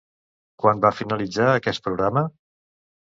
Quan va finalitzar aquest programa?